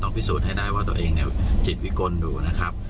พิสูจน์ให้ได้ว่าตัวเองเนี่ยจิตวิกลอยู่นะครับ